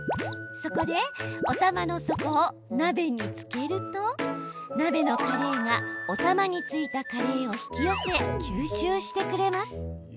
そこでおたまの底を鍋につけると鍋のカレーがおたまについたカレーを引き寄せ吸収してくれます。